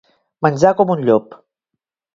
Menjar com un llop.